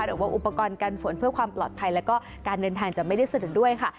หรือว่าอุปกรณ์การฝนเพื่อความปลอดภัยแล้วก็การเดินทางจะไม่ได้สะดุดด้วยค่ะ